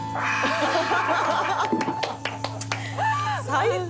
「最高！」